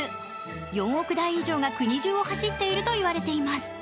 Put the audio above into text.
４億台以上が国じゅうを走っていると言われています。